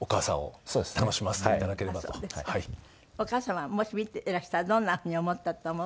お母様もし見ていらしたらどんな風に思ったと思う？